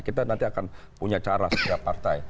kita nanti akan punya cara setiap partai